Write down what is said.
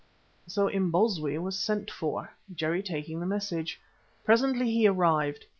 So Imbozwi was sent for, Jerry taking the message. Presently he arrived.